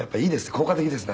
効果的ですね」